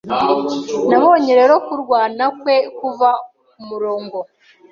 Nabonye rero kurwana kwe kuva kumurongo